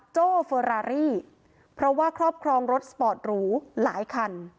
โจ้เฟอรารี่เพราะว่าครอบครองรถสปอร์ตหรูหลายคัน